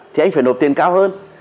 thì anh phải nộp tiền cao hơn